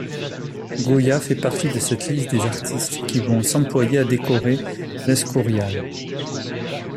Goya fait partie de cette liste des artistes qui vont s'employer à décorer l'Escurial.